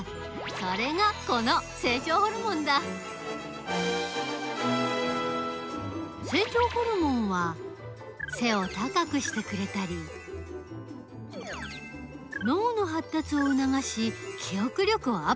それがこの成長ホルモンだ成長ホルモンは背を高くしてくれたり脳のはったつをうながし記憶力をアップさせたりする。